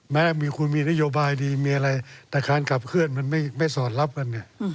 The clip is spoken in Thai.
แม้คุณมีนโยบายดีมีอะไรแต่การขับเคลื่อนมันไม่สอดรับกันเนี่ย